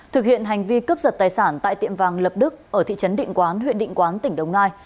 thực hiện hành vi cướp giật tài sản tại tiệm vàng lập đức ở thị trấn định quán huyện định quán tỉnh đồng nai